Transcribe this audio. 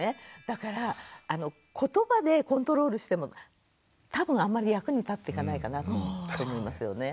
だからことばでコントロールしても多分あんまり役に立っていかないかなって思いますよね。